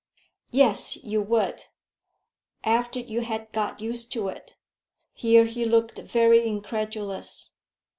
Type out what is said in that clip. "Yes, you would, after you had got used to it." Here he looked very incredulous.